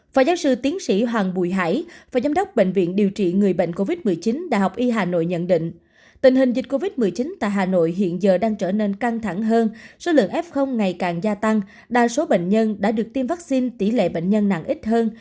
phó giáo sư tiến sĩ hoàng bùi hải phó giám đốc bệnh viện điều trị người bệnh covid một mươi chín đại học y hà nội nhận định tình hình dịch covid một mươi chín tại hà nội hiện giờ đang trở nên căng thẳng hơn số lượng f ngày càng gia tăng đa số bệnh nhân đã được tiêm vaccine tỷ lệ bệnh nhân nặng ít hơn